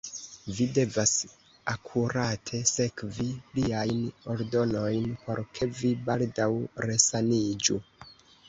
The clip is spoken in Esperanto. Vi devas akurate sekvi liajn ordonojn, por ke vi baldaŭ resaniĝu.